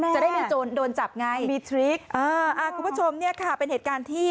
จะได้เป็นโจรโดนจับไงคุณผู้ชมเป็นเหตุการณ์ที่